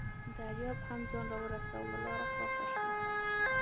دریاب هم ځان راورساوه، لاره خلاصه شوه.